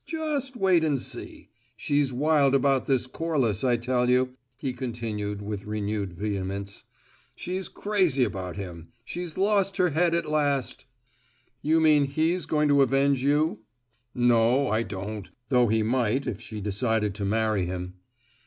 "Just wait and see. She's wild about this Corliss, I tell you," he continued, with renewed vehemence. "She's crazy about him; she's lost her head at last " "You mean he's going to avenge you?" "No, I don't, though he might, if she decided to marry him."